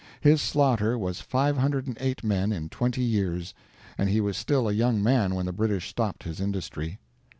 His slaughter was 508 men in twenty years, and he was still a young man when the British stopped his industry.